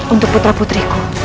untuk putra putriku